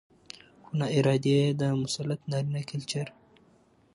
؛ خو ناارادي يې د مسلط نارينه کلچر